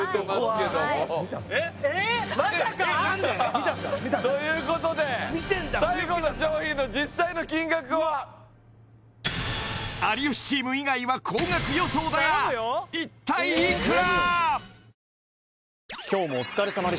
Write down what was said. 見たんだということで最後の商品の実際の金額は有吉チーム以外は高額予想だが一体いくら？